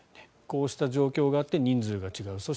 こうした状況があって人数が違う。